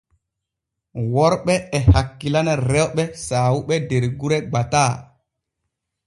Worɓe e hakkilana rewɓe saawuɓe der gure gbataa.